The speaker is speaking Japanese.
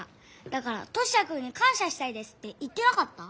だからトシヤくんにかんしゃしたいですって言ってなかった？